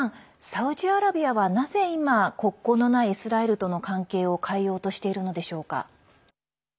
サウジアラビアは、なぜ今国交のないイスラエルとの関係を変えようとしているのでしょうか。